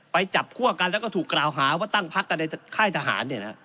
ไปจับคั่วกันแล้วก็ถูกกล่าวหาว่าตั้งพักกันในค่ายทหาร